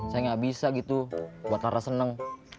saya gak bisa gitu buat laras seneng